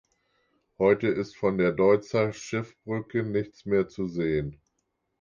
Heute ist von der Deutzer Schiffbrücke nichts mehr zu sehen.